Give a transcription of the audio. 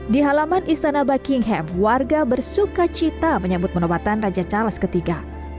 di halaman istana buckingham warga bersuka cita menyambut penobatan raja charles iii